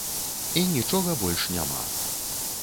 І нічога больш няма.